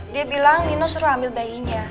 dia bilang nino suruh ambil bayinya